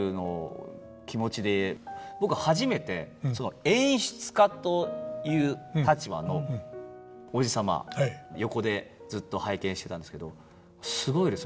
僕初めて演出家という立場のおじ様横でずっと拝見してたんですけどすごいです。